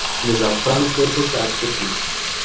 د زعفرانو پروسس عصري کړي.